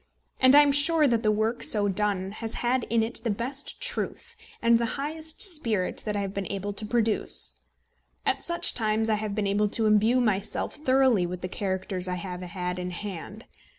And I am sure that the work so done has had in it the best truth and the highest spirit that I have been able to produce. At such times I have been able to imbue myself thoroughly with the characters I have had in hand.